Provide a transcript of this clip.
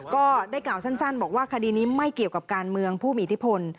ก็ได้กล่าวสั้นบอกว่าคดีนี้ไม่เกี่ยวกับการเมืองผู้มีอิทธิพล